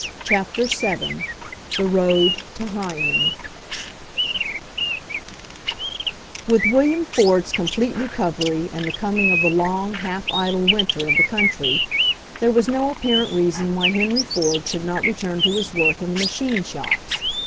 CHAPTER VII THE ROAD TO HYMEN With William Ford's complete recovery and the coming of the long, half idle winter of the country there was no apparent reason why Henry Ford should not return to his work in the ma chine shops.